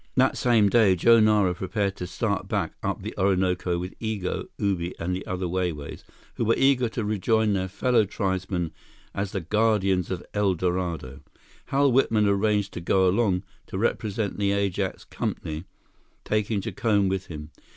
That same day, Joe Nara prepared to start back up the Orinoco with Igo, Ubi, and the other Wai Wais, who were eager to rejoin their fellow tribesmen as the guardians of El Dorado. Hal Whitman arranged to go along to represent the Ajax Company, taking Jacome with him.